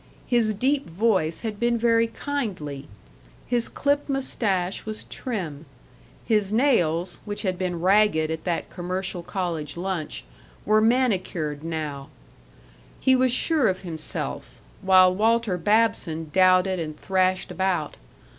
His deep voice had been very kindly; his clipped mustache was trim; his nails, which had been ragged at that commercial college lunch, were manicured now; he was sure of himself, while Walter Babson doubted and thrashed about.